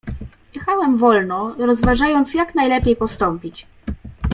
"Jechałem wolno, rozważając, jak najlepiej postąpić."